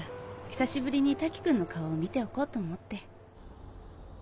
久しぶりに瀧くんの顔を見ておこうと思って。